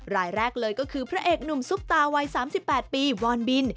รายแรกเลยก็คือพระเอกหนุ่มซุปตาวัย๓๘ปีวอนบิน